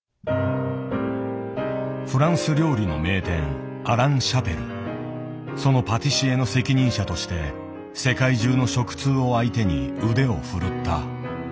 フランス料理の名店そのパティシエの責任者として世界中の食通を相手に腕を振るった。